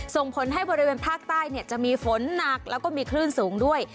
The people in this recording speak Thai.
ส่งผลให้บริเวณภาคใต้จะมีฝนหนักแล้วก็มีคลื่นสูงด้วย